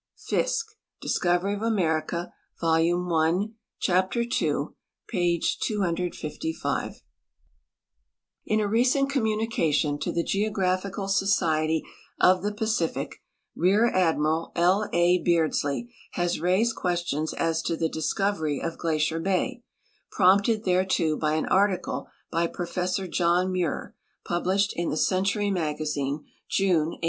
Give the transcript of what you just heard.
Fiske, Discovery of America," vol. 1, ch. 2, p. 255. THE DISCOVERY OF GLACIER T, ALASKA 141 In a recent communication to the Geograihiical Society of the Pacific, Rear Admiral L. A. Beardslee has raised questions as to the discovery of Glacier bay, prompted thereto by an article liy Professor John IMuir, pulilished in the Century Magazine, June, 189 5.